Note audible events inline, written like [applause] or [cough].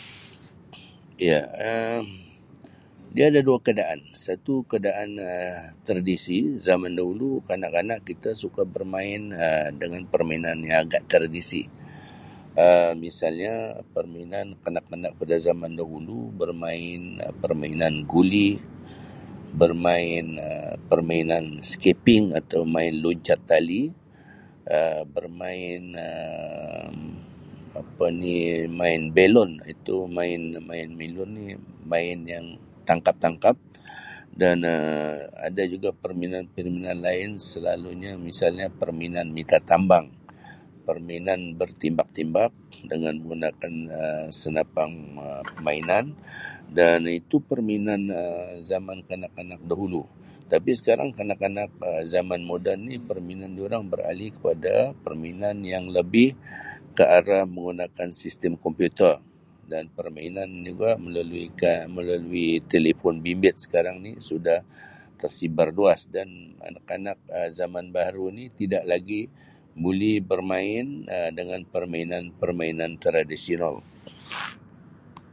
[noise] "Ya, Um dia ada dua keadaan. Satu keadaan Um tradisi, zaman dahulu kanak-kanak kita suka bermain Um dengan permainan yang agak tradisi Um misalnya permainan kanak-kanak pada zaman dahulu bermain Um permainan guli, bermain Um permainan ""skipping"" atau main loncat tali, Um bermain Um apa ni main belon, itu main-main belon ni main yang tangkap-tangkap dan Um ada juga permainan-permainan lain selalunya misalnya permainan mitatambang, permainan bertembak-tembak dengan menggunakan Um senapang Um mainan dan itu permainan Um zaman kanak-kanak dahulu tapi sekarang kanak-kanak Um zaman moden ni permainan durang beralih kepada permainan yang lebih ke arah menggunakan sistem komputer dan permainan juga melalui [unintelligible] telefon bimbit sekarang ni sudah tersebar luas dan anak-anak Um zaman baharu ni tidak lagi boleh bermain Um dengan permainan-permainan tradisional. [noise] "